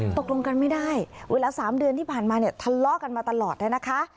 ตกลงกันไม่ได้เวลา๓เดือนที่ผ่านมาเนี่ยทะเลาะกันมาตลอดเลยนะคะ